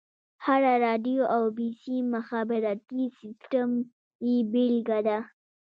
هره راډيو او بيسيم مخابراتي سيسټم يې بېلګه ده.